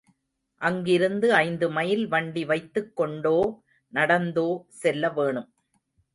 அங்கிருந்து ஐந்துமைல் வண்டி வைத்துக் கொண்டோ நடந்தோ செல்ல வேணும்.